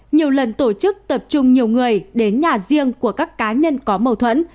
nhiều lần tổ chức tập trung nhiều người đến nhà riêng của các cá nhân có mâu thuẫn